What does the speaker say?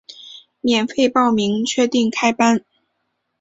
免费报名，确定开班